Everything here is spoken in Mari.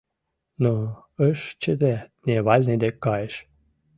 Но ыш чыте, дневальный дек кайыш.